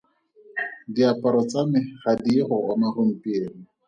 Diaparo tsa me ga di ye go oma gompieno.